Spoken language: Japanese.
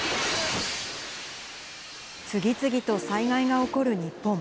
次々と災害が起こる日本。